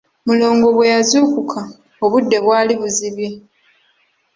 Mulongo bwe yazuukuka, obudde bwali buzibye.